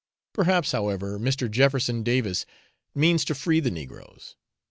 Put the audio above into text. Perhaps, however, Mr. Jefferson Davis means to free the negroes.